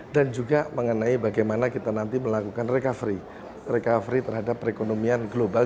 dan juga mengenai bagaimana kita nanti melakukan recovery recovery terhadap perekonomian global